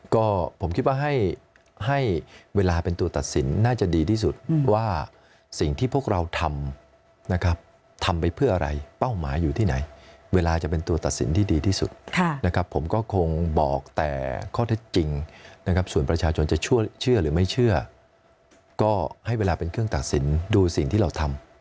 ก็ผมคิดว่าให้เวลาเป็นตัวตัดสินน่าจะดีที่สุดว่าสิ่งที่พวกเราทำนะครับทำไปเพื่ออะไรเป้าหมายอยู่ที่ไหนเวลาจะเป็นตัวตัดสินที่ดีที่สุดนะครับผมก็คงบอกแต่ข้อเท็จจริงนะครับส่วนประชาชนจะเชื่อหรือไม่เชื่อก็ให้เวลาเป็นเครื่องตัดสินดูสิ่งที่เราทำ